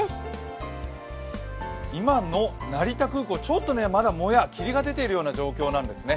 今の成田空港、ちょっともや、霧が出ている状況です。